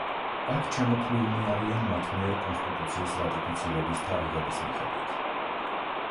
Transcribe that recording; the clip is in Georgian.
აქ ჩამოთვლილნი არიან მათ მიერ კონსტიტუციის რატიფიცირების თარიღების მიხედვით.